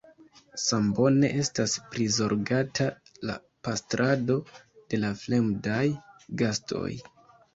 Sambone estas prizorgata la pastrado de la fremdaj gastoj.